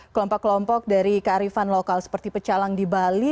kelompok kelompok dari kearifan lokal seperti pecalang di bali